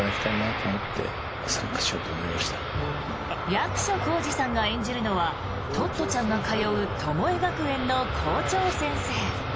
役所広司さんが演じるのはトットちゃんが通うトモエ学園の校長先生。